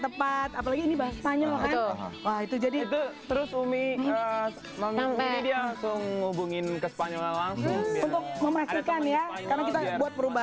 ada satu hal yang akhirnya mereka